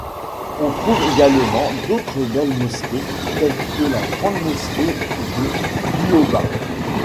On trouve également d'autres belles mosquées, telle que la Grande mosquée de Duoba.